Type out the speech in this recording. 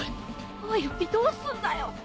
おいおいどうすんだよ。